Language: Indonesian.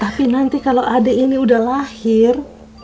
tapi nanti kalau adik ini udah lahir